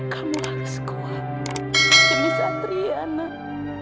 kamu harus kuat demi satria nak